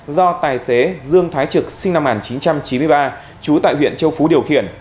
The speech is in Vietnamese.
do tài xế dương thái trực sinh năm một nghìn chín trăm chín mươi ba trú tại huyện châu phú điều khiển